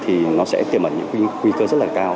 thì nó sẽ tiềm ẩn những quy cơ rất là cao